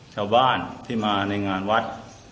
ชาวบ้านที่มาในงานวัด